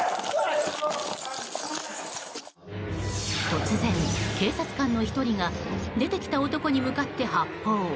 突然、警察官の１人が出てきた男に向かって発砲。